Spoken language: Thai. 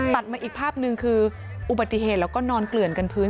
มาอีกภาพหนึ่งคืออุบัติเหตุแล้วก็นอนเกลื่อนกันพื้น